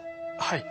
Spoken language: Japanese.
はい。